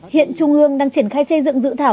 hiện trung ương đang triển khai xây dựng dự thảo